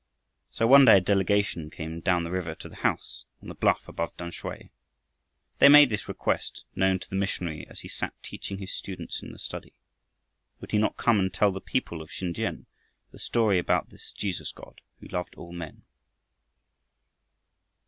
So one day a delegation came down the river to the house on the bluff above Tamsui. They made this request known to the missionary as he sat teaching his students in the study. Would he not come and tell the people of Sin tiam the story about this Jesus God who loved all men?